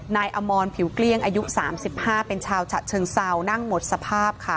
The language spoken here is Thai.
นายอมรผิวเกลี้ยงอายุ๓๕เป็นชาวฉะเชิงเซานั่งหมดสภาพค่ะ